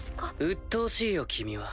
うっとうしいよ君は。